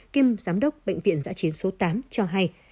kiêm giám đốc bệnh viện giã chiến số tám cho hay